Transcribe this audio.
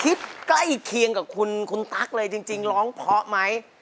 ใกล้เคียงกับคุณตั๊กเลยจริงร้องเพราะไหม